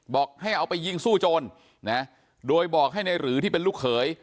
บอกให้เอาไปยิงสู้โจรนะโดยบอกให้ในหรือที่เป็นลูกเขย